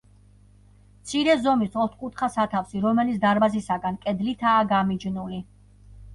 მცირე ზომის, ოთხკუთხა სათავსი, რომელიც დარბაზისაგან, კედლითაა გამიჯნული.